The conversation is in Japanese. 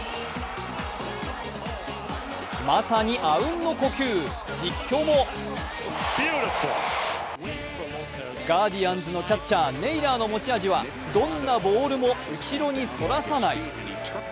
まさにあうんの呼吸実況もガーディアンスのキャッチャー・ネイラーの持ち味はどんなボールも後ろにそらさない。